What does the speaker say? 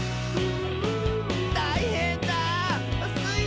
「たいへんだスイ